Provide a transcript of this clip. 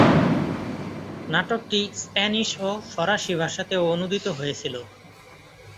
নাটকটি স্প্যানিশ ও ফরাসি ভাষাতেও অনুদিত হয়েছিল।